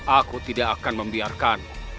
aku tidak akan membiarkanmu